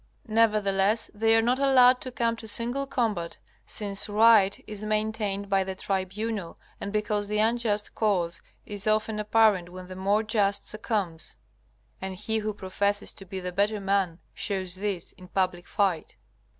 Nevertheless, they are not allowed to come to single combat, since right is maintained by the tribunal, and because the unjust cause is often apparent when the more just succumbs, and he who professes to be the better man shows this in public fight.